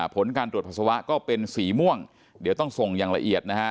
ผลการตรวจปัสสาวะก็เป็นสีม่วงเดี๋ยวต้องส่งอย่างละเอียดนะฮะ